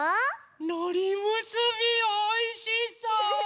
のりむすびおいしそう！